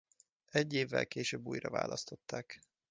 Egy évvel később újraválasztották.